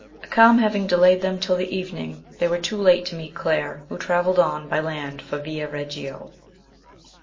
A calm having delayed them till the even ing, they were too late to meet Claire, who travelled on by land for Via Reggio.